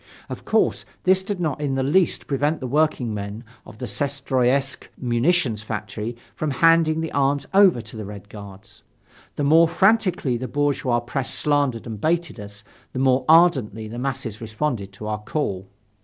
Of course, this did not in the least prevent the workingmen of the Syestroyetsk munitions factory from handing the arms over to the Red Guards. The more frantically the bourgeois press slandered and baited us, the more ardently the masses responded to our call.